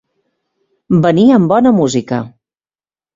Venir amb bona música.